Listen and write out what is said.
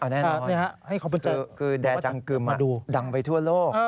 แดจังกึมมาดังไปทั่วโลก